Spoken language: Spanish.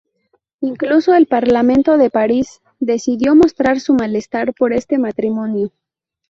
Incluso el Parlamento de París decidió mostrar su malestar por este matrimonio.